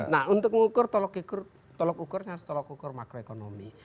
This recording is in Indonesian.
nah untuk mengukur tolok tolok ukurnya harus tolok ukur makroekonomi